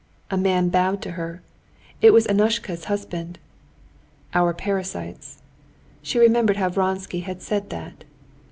A man bowed to her. It was Annushka's husband. "Our parasites"; she remembered how Vronsky had said that.